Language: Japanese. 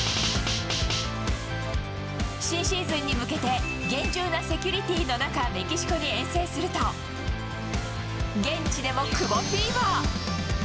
新シーズンに向けて、厳重なセキュリティの中、メキシコに遠征すると、現地でも久保フィーバー。